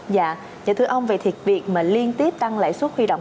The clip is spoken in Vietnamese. dạ thưa ông về việc mà liên tiếp tăng lãi suất khuy động